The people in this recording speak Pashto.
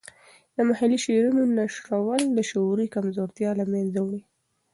د محلي شعرونو نشرول د شعوري کمزورتیا له منځه وړي.